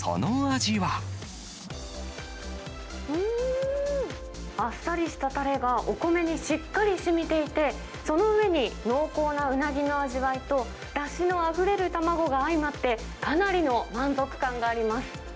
うーん、あっさりしたたれがお米にしっかりしみていて、その上に濃厚なウナギの味わいと、だしのあふれる卵が相まって、かなりの満足感があります。